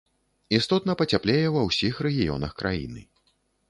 Істотна пацяплее ва ўсіх рэгіёнах краіны.